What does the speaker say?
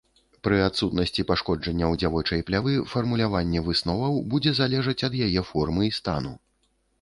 Пры адсутнасці пашкоджанняў дзявочай плявы фармуляванне высноваў будзе залежаць ад яе формы і стану.